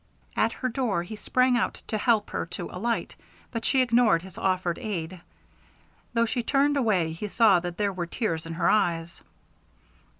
At her door he sprang out to help her to alight, but she ignored his offered aid. Though she turned away he saw that there were tears in her eyes.